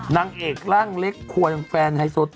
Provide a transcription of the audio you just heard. นางเอกล่างเล็กขวดฟรรณภรรย์ไอซุด